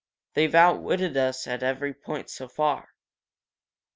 They've outwitted us at every point so far."